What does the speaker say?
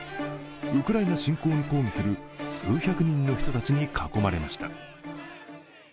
ウクライナ侵攻に抗議する数百人の人たちに囲まれました。